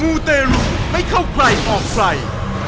ูเตรุไม่เข้าใครออกใคร